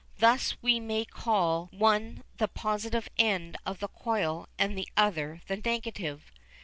Thus we may call one the positive end of the coil and the other the negative.